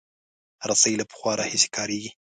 رسۍ له پخوا راهیسې کارېږي.